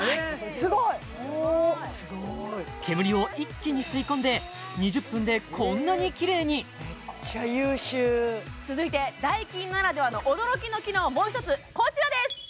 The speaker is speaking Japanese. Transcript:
すごい！煙を一気に吸い込んで２０分でこんなにキレイにめっちゃ優秀続いてダイキンならではの驚きの機能をもう一つこちらです！